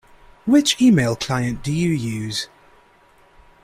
Which email client do you use?